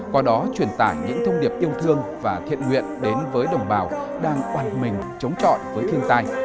qua đó truyền tải những thông điệp yêu thương và thiện nguyện đến với đồng bào đang oàn mình chống trọi với thiên tai